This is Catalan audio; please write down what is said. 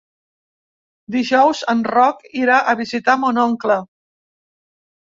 Dijous en Roc irà a visitar mon oncle.